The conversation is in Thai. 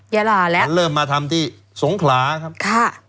มันเริ่มมาทำที่สงขลาครับ